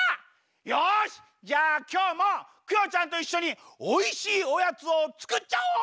よしじゃあきょうもクヨちゃんといっしょにおいしいおやつをつくっちゃおう！